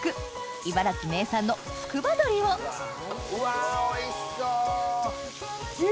茨城名産のつくば鶏をうわおいしそう！